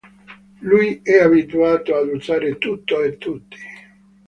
Lui è abituato ad usare tutto e tutti.